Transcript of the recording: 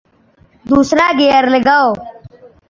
دوسرا گیئر لگاؤ